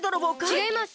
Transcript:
ちがいます！